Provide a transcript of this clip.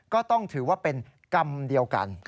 ก็ต้องถือว่าเป็นกรรมเดียวกัน